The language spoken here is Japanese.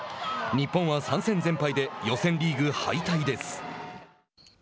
日本は３戦全敗で予選リーグ敗退です。